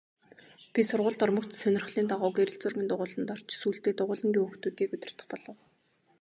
Би сургуульд ормогц сонирхлын дагуу гэрэл зургийн дугуйланд орж сүүлдээ дугуйлангийн хүүхдүүдийг удирдах болов.